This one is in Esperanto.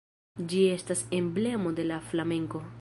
Ĝi estas emblemo de la Flamenko.